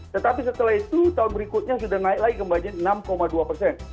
tetapi setelah itu tahun berikutnya sudah naik lagi kembali enam dua persen